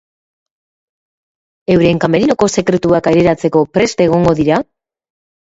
Euren kamerinoko sekretuak aireratzeko prest egongo dira?